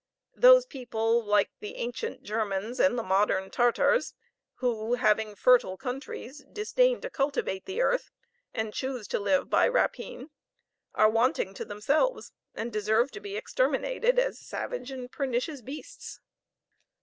Those people, like the ancient Germans and modern Tartars, who, having fertile countries, disdain to cultivate the earth, and choose to live by rapine, are wanting to themselves, and deserve to be exterminated as savage and pernicious beasts."